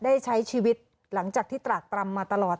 ใช้ชีวิตหลังจากที่ตรากตรำมาตลอด